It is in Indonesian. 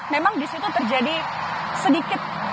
memang disitu terjadi sedikit kepadatan